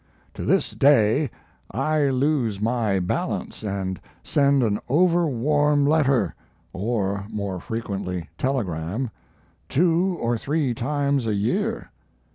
To this day I lose my balance and send an overwarm letter or more frequently telegram two or three times a year.